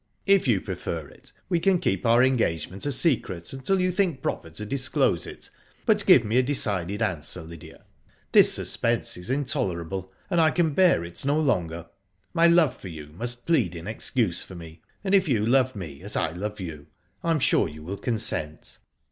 If you prefer it, we can keep our engagement a secret until you think proper to disclose it. But give me a decided answer, Lydia. This suspense is intolerable, and I can bear it no longer. My love for you must plead in excuse for me, and if you love me as I love you I am sure you will consent.''